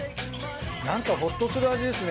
なんかホッとする味ですね